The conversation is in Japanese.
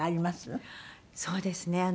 そうですね。